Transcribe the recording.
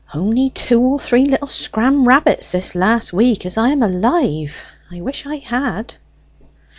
"Only two or three little scram rabbits this last week, as I am alive I wish I had!"